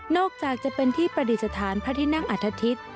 จากจะเป็นที่ประดิษฐานพระที่นั่งอัธทิศ